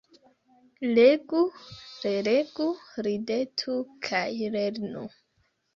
Legu, relegu, ridetu kaj lernu.